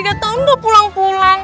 saya ingin balik ke hari ini